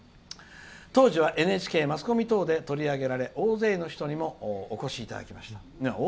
「当時はＮＨＫ、マスコミなどに取り上げられ大勢の人にもお越しいただきました」。